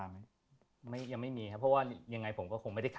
เจ้าของเหรียญเป็นควรเลือก